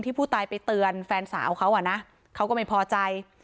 ผู้ตายไปเตือนแฟนสาวเขาอ่ะนะเขาก็ไม่พอใจ